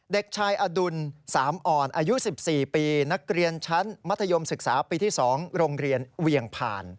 เด็กชายอดุลสามอ่อนอายุ๑๔ปีนักเรียนชั้นมัธยมศึกษาปีที่๒โรงเรียนเวียงผ่าน